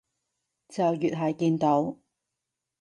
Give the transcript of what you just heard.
就越係見到